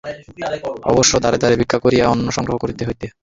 অবশ্য দ্বারে দ্বারে ভিক্ষা করিয়া অন্ন সংগ্রহ করিতে হইত।